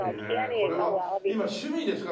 これは今趣味ですか？